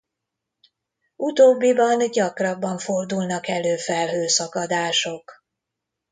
Utóbbiban gyakrabban fordulnak elő felhőszakadások.